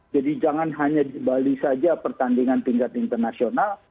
jadi jangan hanya di bali saja pertandingan tingkat internasional